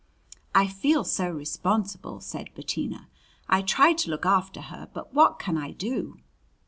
"I feel so responsible," said Bettina. "I try to look after her, but what can I do?"